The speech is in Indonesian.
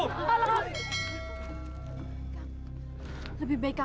lebih baik aku mati daripada kau